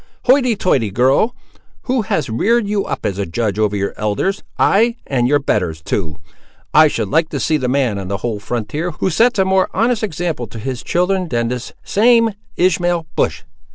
"Hoity, toity, girl! who has reared you up as a judge over your elders, ay, and your betters, too! I should like to see the man on the whole frontier, who sets a more honest example to his children than this same Ishmael Bush!